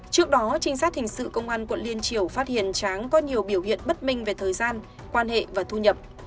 trước đó trinh sát hình sự công an quận liên triều phát hiện tráng có nhiều biểu hiện bất minh về thời gian quan hệ và thu nhập